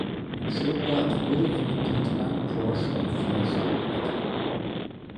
In Stuttgart wurde er Mitglied beim Corps Stauffia Stuttgart.